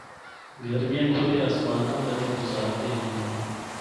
گرمیاں کھلے آسمانا تلے گزاردے ہن۔